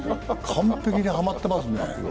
完璧にはまってますね。